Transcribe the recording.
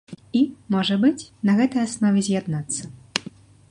І, можа быць, на гэтай аснове з'яднацца.